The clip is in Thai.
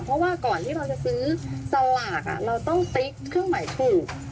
เพราะว่าก่อนที่เราจะซื้อสลากเราต้องติ๊กเครื่องหมายถูก